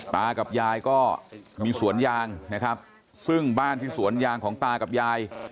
ตากับยายก็มีสวนยางนะครับซึ่งบ้านที่สวนยางของตากับยาย